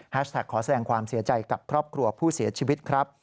ขอแสดงความเสียใจกับครอบครัวผู้เสียชีวิตครับ